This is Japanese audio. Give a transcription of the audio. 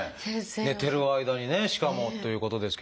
寝てる間にねしかもということですけれども。